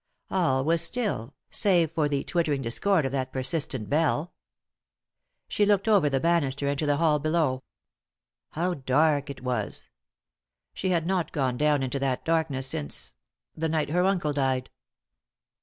All was still, save for the twittering discord of that persistent bell. She looked over the banister into the hall below. How dark it wasl She had not gone down into that darkness since — the night her uncle died.